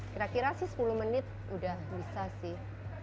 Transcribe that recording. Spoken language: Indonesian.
kira kira sih sepuluh menit udah bisa sih